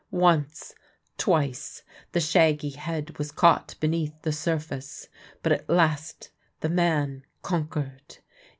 Once, twice, the shaggy head was caught be neath the surface — but at last the man conquered